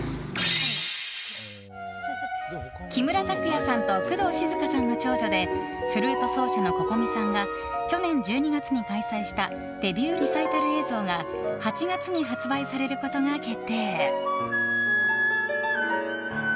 木村拓哉さんと工藤静香さんの長女でフルート奏者のＣｏｃｏｍｉさんが去年１２月に開催したデビューリサイタル映像が８月に発売されることが決定。